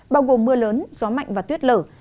bao gồm mưa lớn gió mạnh và tuyết lở